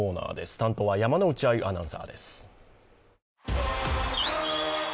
担当は山内あゆアナウンサーです。